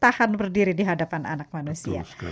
tahan berdiri di hadapan anak manusia